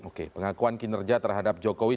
oke pengakuan kinerja terhadap jokowi